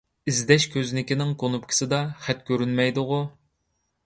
ئىزدەش كۆزنىكىنىڭ كۇنۇپكىسىدا خەت كۆرۈنمەيدىغۇ؟